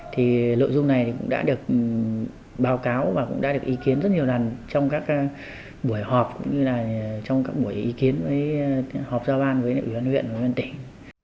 thì nội dung này cũng đã được báo cáo và cũng đã được ý kiến rất nhiều lần trong các buổi họp cũng như là trong các buổi ý kiến họp giao ban với ủy ban huyện ủy ban tỉnh